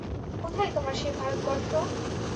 কোথায় তোমার সেই ভারতবর্ষ?